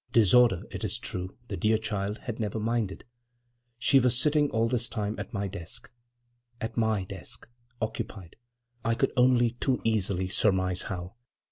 Disorder, it is true, the dear child had never minded. She was sitting all this time at my desk—at my desk—occupied, I could only too easily surmise how.